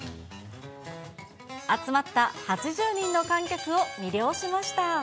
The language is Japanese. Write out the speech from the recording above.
集まった８０人の観客を魅了しました。